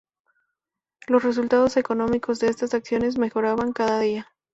Los resultados económicos de estas acciones mejoraban cada día.